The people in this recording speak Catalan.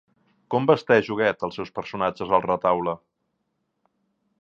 Com vesteix Huguet els seus personatges al retaule?